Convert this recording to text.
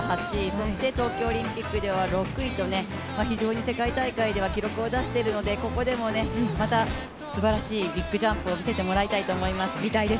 そして東京オリンピックでは６位と非常に世界大会では記録を出しているので、ここでもまたすばらしいビッグジャンプを見せてもらいたいと思います。